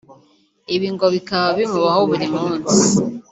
Ibi ngo bikaba bimubaho buri munsi